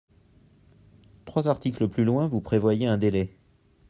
Trois articles plus loin, vous prévoyez un délai.